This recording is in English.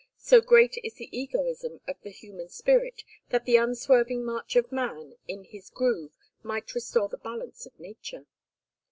so great is the egoism of the human spirit that the unswerving march of man in his groove might restore the balance of nature.